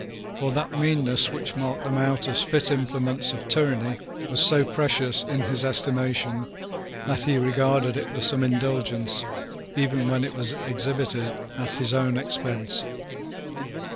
For that meanness which marked them out as fit implements of tyranny was so precious in his estimation that he regarded it with some indulgence even when it was exhibited at his own expense.